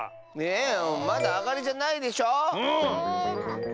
ねえまだあがりじゃないでしょ？